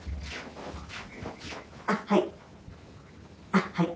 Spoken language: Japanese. あっはい。